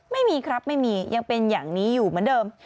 ไม่มีครับไม่มียังเป็นอย่างนี้อยู่เหมือนเดิม